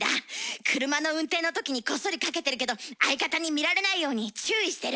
車の運転のときにこっそりかけてるけど相方に見られないように注意してる。